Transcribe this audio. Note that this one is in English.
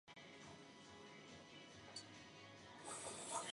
Many instances of wh-fronting involve pied-piping.